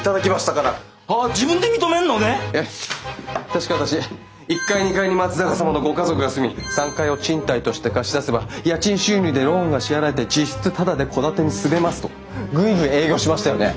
確か私「１階２階に松永様のご家族が住み３階を賃貸として貸し出せば家賃収入でローンが支払えて実質タダで戸建てに住めます」とグイグイ営業しましたよね。